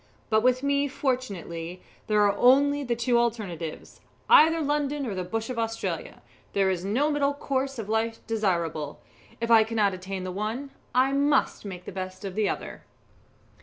But with me, fortunately, there are only the two alternatives, either London or the bush of Australia there is no middle course of life desirable. If I cannot attain the one, I must make the best of the other."